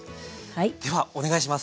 ではお願いします。